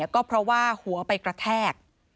ก็เพราะว่าหัวไปกระแทก